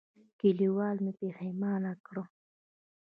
کلیوالو مې پښېمانه کړم.